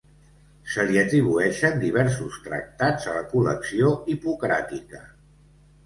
Se li atribueixen diversos tractats a la col·lecció hipocràtica.